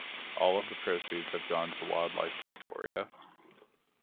All of the proceeds have gone to Wildlife Victoria.